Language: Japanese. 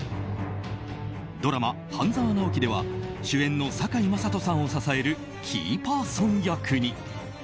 ドラマ「半沢直樹」では主演の堺雅人さんを支えるキーパーソン役に。